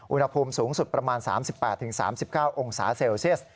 อุณหภูมิสูงสุดประมาณ๓๘๓๙องศาเซลเซียส